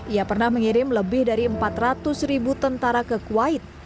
ia pernah mengirim lebih dari empat ratus ribu tentara ke kuwait